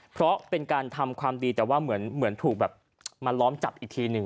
เพราะเป็นการทำความดีแต่ว่าเหมือนถูกแบบมาล้อมจับอีกทีหนึ่ง